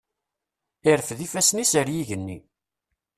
Irfed ifassen-is ar yigenni.